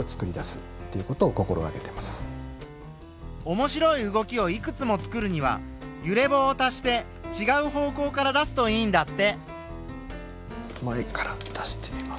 面白い動きをいくつもつくるには揺れ棒を足してちがう方向から出すといいんだって。